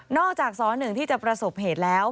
อกจากสหนึ่งที่จะประสบเหตุแล้ว